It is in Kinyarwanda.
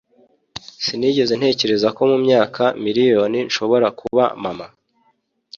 sinigeze ntekereza ko mumyaka miriyoni nshobora kuba mama